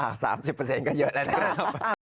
ใช่พี่ปุ๊ย๓๐เปอร์เซ็นต์ก็เยอะแล้วนะครับ